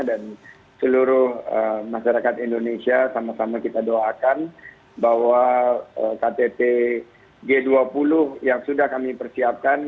dan seluruh masyarakat indonesia sama sama kita doakan bahwa ktt g dua puluh yang sudah kami persiapkan